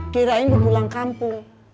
kirain bergulang kampung